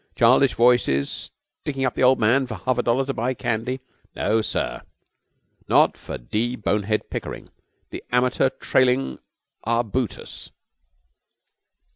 Childish voices sticking up the old man for half a dollar to buy candy? No, sir! Not for D. Bonehead Pickering, the amateur trailing arbutus!'